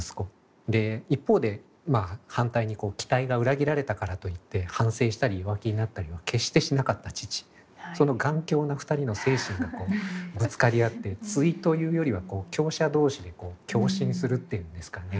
で一方で反対に期待が裏切られたからといって反省したり弱気になったりは決してしなかった父その頑強な２人の精神がこうぶつかりあって対というよりは強者同士で共振するっていうんですかね。